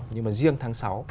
nhưng mà riêng tháng sáu